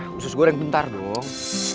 khusus goreng bentar dong